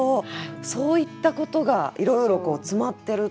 そういったことがいろいろ詰まってる歌やったんですね。